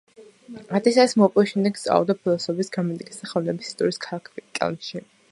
ატესტატის მოპოვების შემდეგ სწავლობდა ფილოსოფიას, გერმანისტიკას და ხელოვნების ისტორიას ქალაქ კელნში.